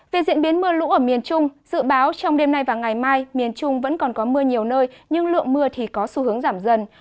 về diễn biến mưa lũ ở miền trung dự báo trong đêm nay và ngày mai miền trung vẫn còn có mưa nhiều nơi nhưng lượng mưa thì có xu hướng giảm dần